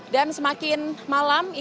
dan semakin malam